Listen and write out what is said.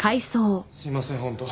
すいません本当。